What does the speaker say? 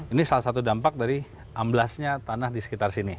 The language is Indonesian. ini salah satu dampak dari amblasnya tanah di sekitar sini